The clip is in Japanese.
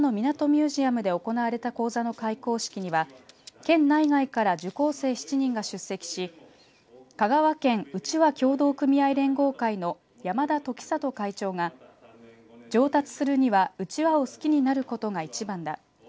ミュージアムで行われた講座の開講式には県内外から受講生７人が出席し香川県うちわ協同組合連合会の山田時達会長が上達するには、うちわを好きになることが一番だ。